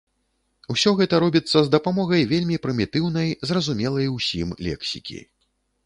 Усё гэта робіцца з дапамогай вельмі прымітыўнай, зразумелай усім лексікі.